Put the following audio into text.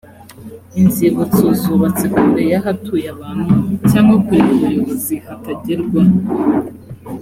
inzibutso zubatse kure y ahatuye abantu cyangwa kure y ubuyobozi hatagerwa